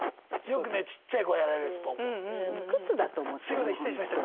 すいません失礼しました。